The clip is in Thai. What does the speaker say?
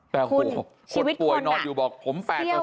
แต่ขวดป่วยนอนอยู่บอกผม๘